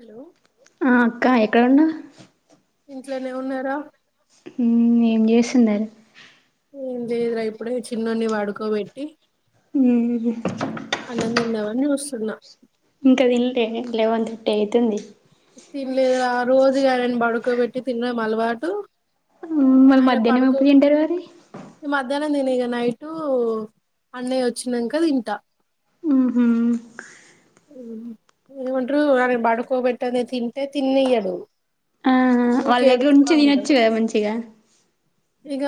Hello ఆ అక్క ఎక్కడ ఉన్నావు ఇంట్లోనే ఉన్నారా ఏం చేస్తున్నారు లేదు రా ఇప్పుడే చిన్నన్ని వాడుకోబెట్టి మ్మ్ అనంథిందాముఅని చూస్తున్నా ఇంకా దీంలేం లేవని తుట్టటి అవుతుంది తినలేదు రా రోజుగా ఆనా బడుకోబెట్టి తిన్నాము అలవాటు మళ్ళీ మధ్యాహ్నం ఎప్పుడు తింటారు మరి అదనా నేను ఇక నైట్ అన్నయ్య వచ్చినాక తింటా ఉహ ఏమండారు ఆన పడుకోబెట్టని తింటే తినియ్యాడు ఆ వాళ్ళ కేడుూ దగ్గర స్ా నుంచి తినొచ్చు ఉండదు కదా మంచిగా ఇగ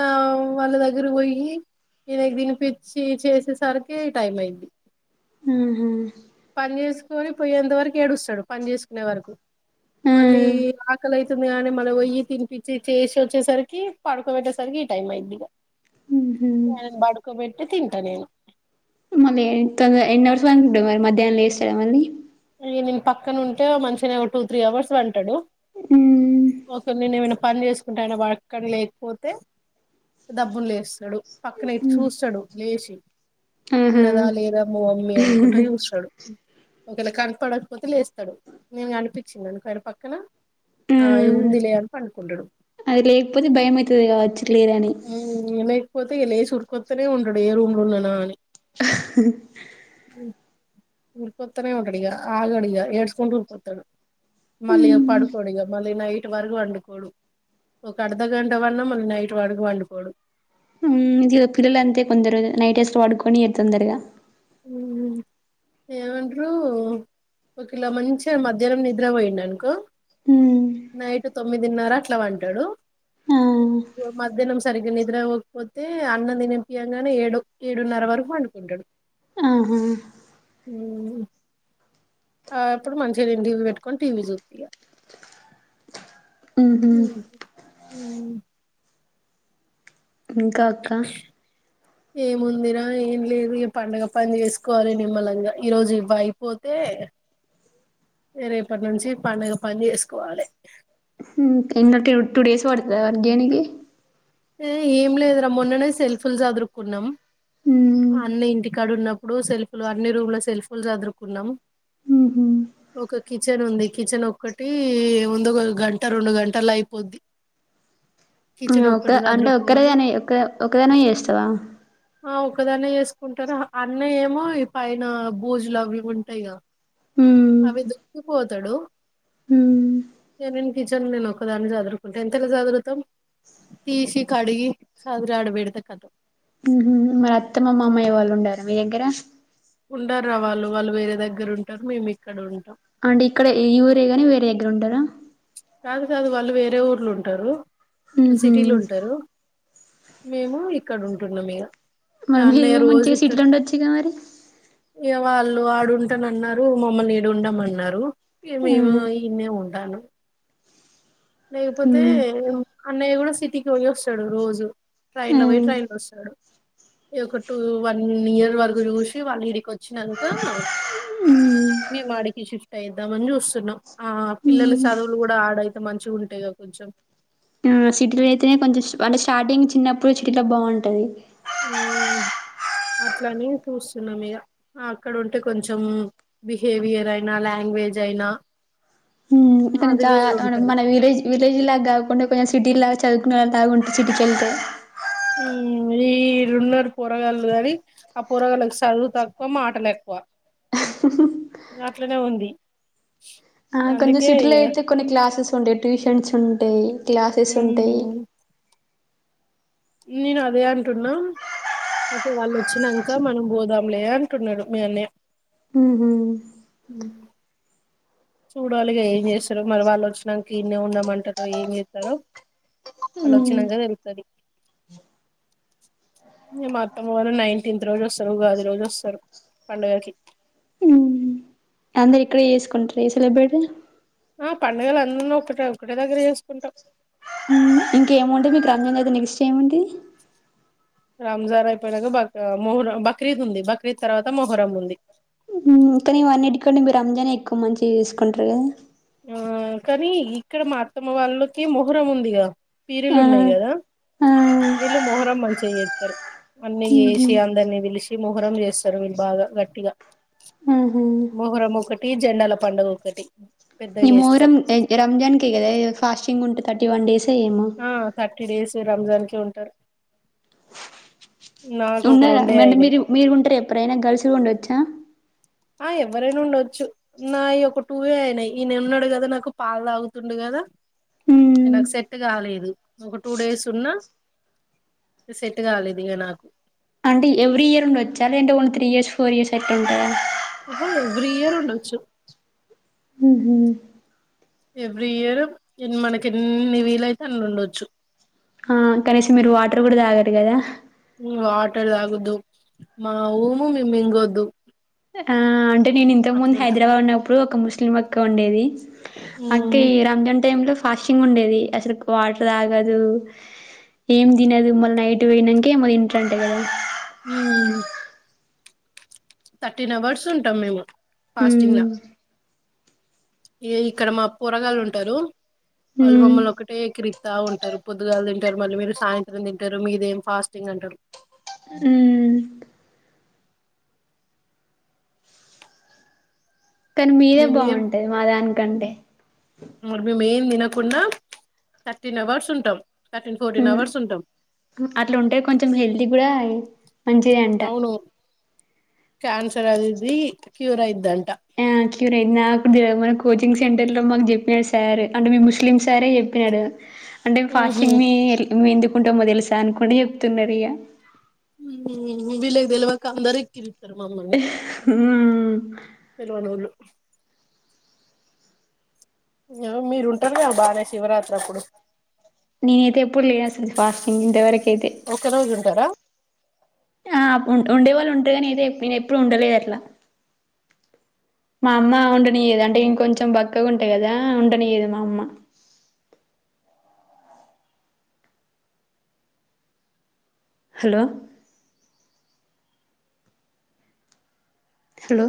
వాళ్ళ దగరి పోయి ననకి తినిపచ్చి చేసేసరికి టైం అయింది ఆహా పని చేసుకొని పోయ్యేంత వరకు ఏడుస్తాడు పని చేసుకునే వరకు ఆ మళ్ళీ ఆకలి అతుంది కాగాని మళ్ళీ పోయ్యి తినిపచ్చి చేసి వచ్చేసరికి పడుకోబట్ట సరికి ఈ టైమ్ అయి మ్మ్ బకోబ అ తింటా నేను మళ్ళీ ఎంతొంద ఎన్ని నవర్స్లు వనుకుంటండంది మరి మధ్యాహ్ం వేస్తా మళ్ళీ అ నేను పక్కన ఉంటే మంచిగా టూ త్రీ అవర్స్ వంటాడు మ్మ్ ఓకే నేను ఏమైనా పని చేసుకుంటా ఆయన వడకని లేకపోతే డబ్బులు లేస్తడు పక్కన ఇటు చూస్తడు లేచి ఆహా ఉన్నదా లేదా మా మమ్మీ అనుకుంట చూస్తడు ఒకవేళ కనపడకపోతే లేస్తడు. నేను అనిపించిందినుకో ఆయన పక్కన ఆ ఇ మ్మ్ ఉంది లే అని పనుకుంటడు అది లేకపోతే భయం అవుతుది కావచ్చు లేరని లేకపోతే ఇ లేసి ఉరికొస్తనే ఉండడు ఏ రూమ్ లో ఉన్నానా అని ఉర్కత్తనే ఉండిగా ఆగడిగా ఏడసుకుంటా ఊర్కతాడు. మళ్ళీ మ్మ్ పడుకోడు ఇగ మళ్ళీ నైట్ వరకు వండుకోడు. ఒక అర్ధ గంట వన్నా మళ్ళ నైట్ వాడికి పండుకోడు ఇది పిల్లల అంతే కొందరు నైట్ ఏస్ పడుకొని తొందరగా ఏమండ్రు ఒక ఇలా మంచిగా మధ్యాహ్నం నిద్ర పోయిండ అనుకో ఉహు నైట్ తొమ్మిదిన్నర అట్లా పంటడు. ఆ మధ్యాహ్నం సరిగ్గా నిద్ర పోవ్వకపోతే అన్నం తినిపియ్యంగానే ఏడు ఏడున్నర వరకు పండుకుంటాడు. ఆహా ఊ ఉ ఆ ఇప్పుడు మంచిగా [unintelligible] పెట్టుకొని టీవీ చూత్తి ఇగ ఉ ఊ ఇంకా అక్క ఏముందిరా ఏం లేదు. పండగ పని చేసుకోవాలి. నిమ్మలంగా ఈరోజు ఇవ్వ అయిపోతే రేపటి నుంచి పండగ పని చేసుకోవాలే ఇన్న టూ డేస్ పడుతద వర్గేనికి ఏం లేదురా మొన్ననే సెల్ఫ్ లు చదురుకున్నాం ఉమ్ అన్న ఇంటికాడ ఉన్నప్పుడు ఇప్పుడు సెల్ఫులు అన్ని రూమ్ లో సెల్ఫులు చదురుకున్నాం. ఉహు ఒక్క కిచెన్ ఉంది. కిచెన్ ఒక్కటి ముంద ఒక గంట రెండు గంటలు అయిపోద్ది కిచెన్లో ఒ అంటే ఒక్కరిదనే ఒకదనివే చేస్తావా ఆ ఒక్కదాన్నే చేసుకుంటారు అన్నయ్య ఏమో పైన బూజు లవి ఇవి ఉంటాయిగా ఉమ్ అవి దుక్కిపోతడు ఉమ్ న నేను కిచెన్ నేను ఒక్కదాన్ని చదురుకుంటే ఎంతలా చదురుతాం. తీసి కడిగి సదరు అడబెడ్తే కతం ఉహు మరి అత్తమ్మ మామయ్య వాళ్ళు ఉండార మీ దగ్గర ఉండరురా వాళ్ళు వాళ్ళు వేరే దగ్గర ఉంటారు మేము ఇక్కడ ఉంటం అంటే ఇక్కడ ఈ ఊరే కాని వేరే దగ్గర ఉండరా కాదు కాదు వాళ్ళు వేరే ఊర్లో ఉంటరు. వాళ్ళు ఉహు సిటీలో ఉంటరు. మేము ఇక్కడ ఉంటుంటిమి ఇగ మరి అన్నయ్య మీరు రోజు మంచిగ సిటీ ఇక్కడ ల ఉండొచ్చు గా మరి ఇగ వాళ్ళు ఆడుంటన అన్నారు. మమ్మల్ని ఈడు ఉండమ అన్నారు. మేము ఆహా ఈన్నే ఉంటాను. లేకపోతే ఉమ్ అన్నయ్య కూడా సిటీకి పోయి వస్తాడు రోజు ట్రైన్ ఆ లో పోయి ట్రైన్ లో వస్తాడు. ఒక టూ వన్ ఇయర్ వరకు చూసి వాళ్ళ ఇడికి వచ్ వచ్చినంక మీ మాడికి షిఫ్ట్ అయిద్దామని చూస్తున్నాం. ఆ పిల్లల ఉమ్ చదువులు కూడా ఆడైతే మంచిగా ఉంటాయి గ కొంచెం ఆ సిటీలో అయితేనే కొంచెం అంటే స్టార్టింగ్ చిన్నప్పుడు సిటీలో బాగుంటది అట్లానే చూస్తున్నాం ఇక అక్కడ ఉంటే కొంచెం బిహేవియర్ అయినా లాంగ్వేజ్ జైనా ఇక్కను చాలా ఉంటది మన విలేజ్ విలేజ్ లాగా కాకుండా కొంచెం సిటీ లాగా చదువుకునేలాగా ఉంటే సిటీకెళ్తే ఈ రెండున్నర పూరగాళ్లు కనీ ఆ పూరగాళ్కి సదువు తక్కువ మాటలేక్కువ వా అట్లనే ఉంది ఆ కొంచెం అందుకే సిటీలో ఇగ అయితే కొన్ని క్లాసెస్ ఉంటాయి ట్యూషన్స్ ఉంటాయి క్లాసెస్ ఉంటాయి మ్మ్ నేను అదే అంటున్నా అయితే వాళ్ళు వచ్చినాంక మనం పోదాంలే అంటున్నాడు మీ అన్నయ్య ఊహూ ఉమ్ చూడాలిగా ఏం చేస్తారో మరి వాళ్ళు వచ్చిననిక ఇన్నే ఉందమంటారో ఏం చేతరో వాళ్ళు ఒచిక్క హ్మ్ తేలుత్తది మా అత్తమ్మ వాళ్ళు నైటేన్త్ రోజు వస్తారు ఉగాది రోజు వస్తారు పండగకి అందరు ఇక్కడే చేసుకుంటార ఇగ సెలబ్రేట్ పండుగలు అందరూ ఒకటే ఒకటే దగ్గర చేసుకుంటాం ఇంకా ఏమంటుంది మీకు రంజన్ అయితే నెక్స్ట్ ఏముంటది రాంజార్ అయిపోయినాక బ మొహ్రం బక్రీద్ ఉంది బక్రీద్ తర్వాత మొహ్రం ఉంది ఇ కానీవన్నింటి కంటే మీరు రంజానే ఎక్కువ మంచిగా చేసుకుంటారు కదా ఆ కానీ ఇక్కడ మా అత్తమ్మ వాళ్ళకి మొహురం ఉందిగా పీరీలు ఆ ఉన్నాయి కదా ఆ వీళ్ళు మొహరం మంచిగ చెత్తారు అన్నీ ఊహూ చేసి అందరినీ విలిచి మహరం చేస్తారు బాగా గట్టిగా హ మొహరం ఒకటి జెండాల పండుగ ఒకటి పెద్దగా ఈ చేస్తాం మోహరం రంజాన్కే కదా ఫాస్టింగ్ ఉంటే థర్టీ వన్ డేసే ఏమో రంజాన్కే ఉంటారు నాకు ఒక రెండే ఉన్నారాంటే అయినాయి మీరు మీరు ఉంటారు ఎప్పురైనా గర్ల్స్ కూడా ఉండొచ్చా ఆ ఎవరైనా ఉండొచ్చు నా ఈ ఒక టూవే అయినాయి ఈ నేను ఉన్నాడు కదా నాకు పాలు తాగుతుండు కదా నాకు సెట్ కాలేదు ఒక టూ డేస్ ఉన్నా సెట్ కాలేదు ఇగ నాకు అంటే ఎవ్రీ ఇయర్ ఉండోచ్చా లేదంటే త్రీ ఇయర్స్ ఫోర్ ఇయర్స్ అట్లా ఉంటద ఆహా ఎవ్రీ ఇయర్ ఉండోచ్చు ఉహ ఎవ్రీ ఇయర్ ఎ మనకి ఎన్ని వీలైయితే అన్ని ఉండొచ్చు ఆ కనీసం మీరు వాటర్ కూడా తాగరు కదా వాటర్ తాగదు మా ఉఊము మే మింగొద్దు ఆ అంటే నేను ఇంతకు ముందు అట్లుంటది హైదరాబాద్ ఉన్నప్పుడు ఒక ముస్లిం అక్క ఉండేది అక్క ఈ రంజాన్ టైం లో ఫాస్టింగ్ ఉండేది అసలు వాటర్ తగదు ఏం తినదు మళ్ళి నైట్ పొయనాకే మళ ఏమో తింటారు అంట కద హుమ్మ్ థర్టీన్ అవర్స్ ఉంటాం మేము ఫాస్టింగ్ ఉమ్ ల ఇక్కడ మా పోరగాల్ ఉంటారు వాళ్ళు ఉమ్ మమల్ని ఒకటే ఎక్రి త ఉంటారు పొద్దుగాల తింటారు మళ్ళీ మీరు సాయంత్రం తింటారు మీదేం ఫాస్టింగ్ అంటారు హుమ్మ్ కానీ మీదే మేమ్ బాగుంటది మా దానికంటే మరి మేమ్ తిన్నకుడా థర్టీన్ అవర్స్ ఉంటాం థర్టీన్ ఫోర్టీన్ ఉమ్ అవర్స్ ఉంటాం అట్లా ఉంటే కొంచెం హెల్తీ కూడా మంచిదే అంట అవును క్యాన్సర్ అదిది క్యూర్ అయిదంట ఆ క్యూర్ అయి నా ఇ మన కోచింగ్ సెంటర్లో మాకు చెప్పినాడు సార్ అంటే మీ ముస్లిం సారే చెప్పినాడు అంటే ఫాస్టింగ్ మీ మ ఎందుకుంటామో తెలుసా అనుకుంటే చెప్తున్నారు ఇక ఉ వీళ్లకుడెక్వక అందరూ ఇకి హుమ్మ్ తెలవనోళ్ళు మీరుంటారుక బానే శివరాత్రి అప్పుడు నేనైతే ఎప్పుడు లేన్ అసలు ఫాస్టింగ్ ఇంతవరకు అయితే ఒక్క రోజు ఉంటారా ఆ ఉండేవాళ్ళు ఉంటారు గాని నేన్ ఎప్పుడు ఉండలేద్ అట్లా మా అమ్మ ఉండనీయదు అంటే ఇంకొంచెం బక్కగా ఉంటా కదా ఉండనీయదు మా అమ్మ [inaudible] హలో హలో